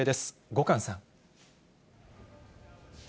後閑さん。